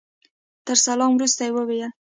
تر سلام وروسته يې وويل.